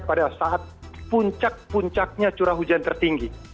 pada saat puncak puncaknya curah hujan tertinggi